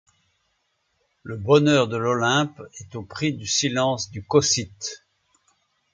Le bonheur de l’Olympe est au prix du silence du Cocyte.